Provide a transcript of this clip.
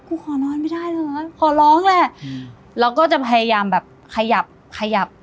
ขอนอนไม่ได้เลยเหรอขอร้องแหละเราก็จะพยายามแบบขยับขยับ